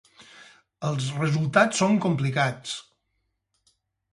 Els resultats són complicats.